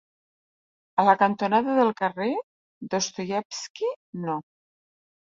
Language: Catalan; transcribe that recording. A la cantonada del carrer Dostoievski No.